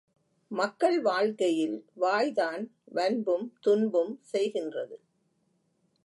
மக்கள் வாழ்க்கையில் வாய்தான் வன்பும் துன்பும் செய்கின்றது.